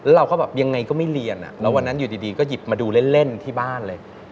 เราก็แบบยังไงก็ไม่เรียนแล้ววันนั้นอยู่ดีก็หยิบมาดูเล่นที่บ้านเลย